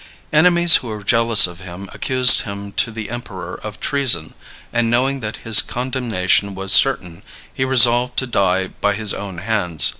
Enemies who were jealous of him accused him to the emperor of treason; and, knowing that his condemnation was certain, he resolved to die by his own hands.